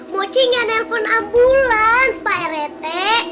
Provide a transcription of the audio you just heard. moci gak nelpon ambulan pak rete